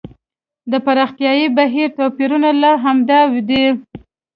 د پراختیايي بهیر توپیرونه لامل همدا دی.